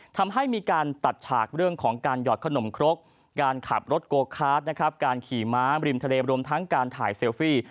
ทำให้มีการตัดฉากเรื่องของการหยอดขนมครกการขับรถโกคาร์ดนะครับการขี่ม้าริมทะเลรวมทั้งการถ่ายเซลฟี่